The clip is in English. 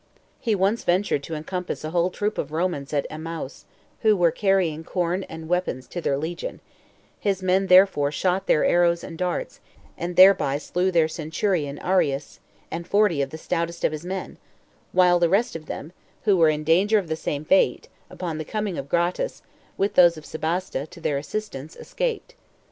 He once ventured to encompass a whole troop of Romans at Emmaus, who were carrying corn and weapons to their legion; his men therefore shot their arrows and darts, and thereby slew their centurion Arius, and forty of the stoutest of his men, while the rest of them, who were in danger of the same fate, upon the coming of Gratus, with those of Sebaste, to their assistance, escaped.